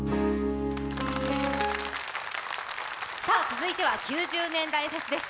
続いては９０年代フェスです。